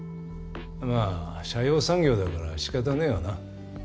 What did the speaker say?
まあ斜陽産業だから仕方ねえわな。